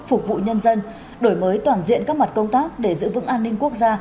phục vụ nhân dân đổi mới toàn diện các mặt công tác để giữ vững an ninh quốc gia